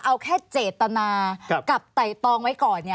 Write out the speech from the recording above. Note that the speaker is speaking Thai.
เอาแค่เจตนากับไต่ตองไว้ก่อน